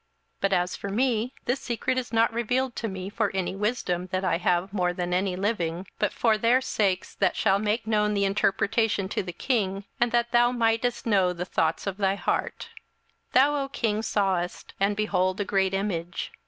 27:002:030 But as for me, this secret is not revealed to me for any wisdom that I have more than any living, but for their sakes that shall make known the interpretation to the king, and that thou mightest know the thoughts of thy heart. 27:002:031 Thou, O king, sawest, and behold a great image.